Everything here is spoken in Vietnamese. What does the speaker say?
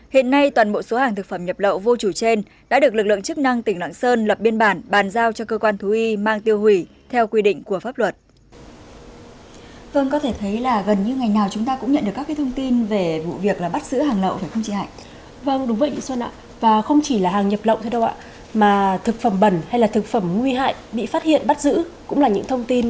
hiện nay toàn bộ số hàng thực phẩm nhập lậu vô chủ trên đã được lực lượng chức năng tỉnh lạng sơn lập biên bản bàn giao cho cơ quan thú y mang tiêu hủy theo quy định của pháp luật